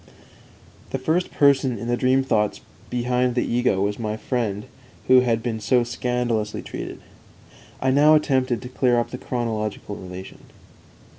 The first person in the dream thoughts behind the ego was my friend who had been so scandalously treated. _"I now attempted to clear up the chronological relation."